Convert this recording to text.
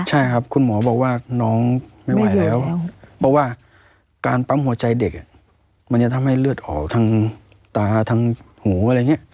ใช่ครับคุณหมอบอกว่าน้องไม่ไหวแล้วเพราะว่าการปั๊มหัวใจเด็กมันจะทำให้เลือดออกทางตาทางหูอะไรอย่างนี้